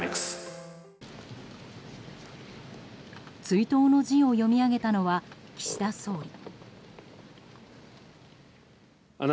追悼の辞を読み上げたのは岸田総理。